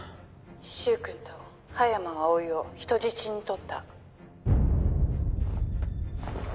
柊君と葉山葵を人質に取った。